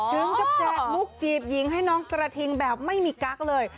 ถึงกับแจกมุกจีบหญิงให้น้องกระทิงแบบไม่มีกั๊กเลย